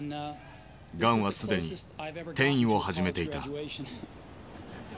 がんはすでに転移を始めていた。